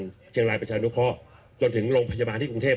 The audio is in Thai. เชียงรายประชานุเคราะห์จนถึงโรงพยาบาลที่กรุงเทพ